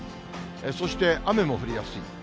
そして雨も降りやすい。